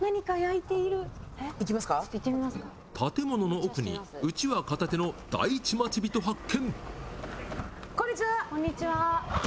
建物の奥に、うちわ片手の第一町人発見。